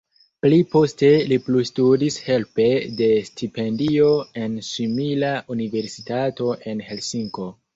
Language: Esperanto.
Pli poste li plustudis helpe de stipendio en simila universitato en Helsinko.